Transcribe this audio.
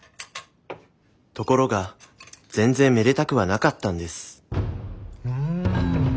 ところが全然めでたくはなかったんですうん！